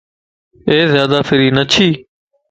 اي زيادا فري نه ڇي